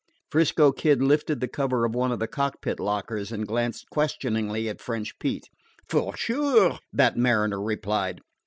'Frisco Kid lifted the cover of one of the cockpit lockers and glanced questioningly at French Pete. "For sure," that mariner replied.